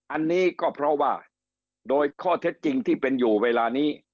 อันนี้ก็เพราะว่าโดยข้อเท็จจริงที่เป็นอยู่เวลานี้